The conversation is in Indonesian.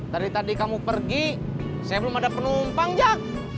dari tadi kamu pergi saya belum ada penumpang jak